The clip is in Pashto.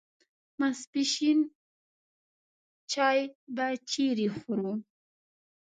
ماپښین چای به چیرې خورو.